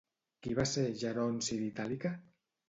Qui va ser Geronci d'Itàlica?